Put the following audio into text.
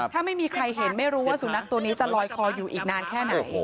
ถ้าไม่มีใครเห็นไม่รู้ว่าสุนัขตัวนี้จะลอยคออยู่อีกนานแค่ไหน